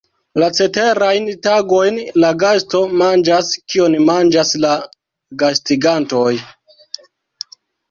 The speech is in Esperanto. La ceterajn tagojn la gasto manĝas kion manĝas la gastigantoj.